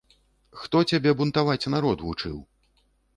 Хто цябе бунтаваць народ вучыў?